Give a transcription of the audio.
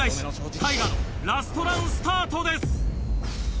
ＴＡＩＧＡのラストランスタートです。